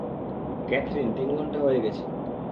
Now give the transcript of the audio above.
Catherine, তিন ঘন্টা হয়ে গেছে।